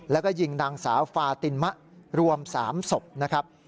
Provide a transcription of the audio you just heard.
แล้วก็ยิงนางสาวฟาตินมะรวม๓ศพนะครับ